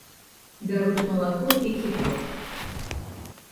Бяруць малако і кефір.